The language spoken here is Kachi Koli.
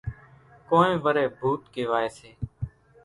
ڪونئين وريَ ڀوُت ڪيوائيَ سي۔